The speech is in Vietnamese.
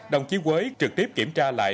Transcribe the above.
đồng chí quế trực tiếp kiểm tra lại